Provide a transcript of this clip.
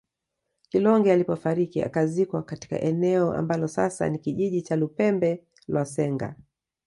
Kilonge alipofariki akazikwa katika eneo ambalo sasa ni kijiji cha Lupembe lwa Senga